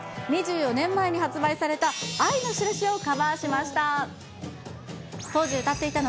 ２４年前に発売された愛のしるしをカバーしました。